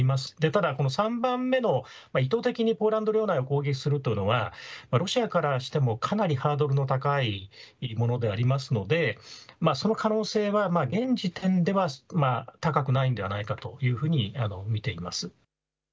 ただ３番目の意図的にポーランド領内を攻撃するというのはロシアからしてもかなりハードルの高いものでありますのでその可能性は現時点では高くないのではないかというふうに見ています。